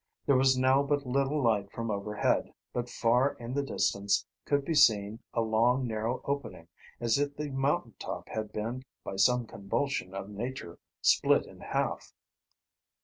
There was now but little light from overhead, but far in the distance could be seen a long, narrow opening, as if the mountain top had been, by some convulsion of nature, split in half.